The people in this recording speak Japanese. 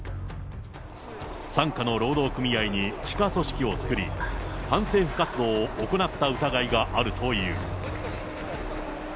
傘下の労働組合に地下組織を作り、反政府活動を行った疑いがあるという。